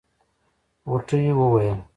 غوټۍ وويل.